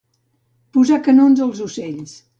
Posar canons als ocells.